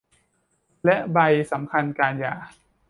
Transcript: และใบสำคัญการหย่า